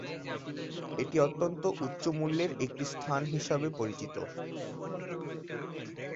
এটি অত্যন্ত উচ্চমূল্যের একটি স্থান হিসেবে পরিচিত।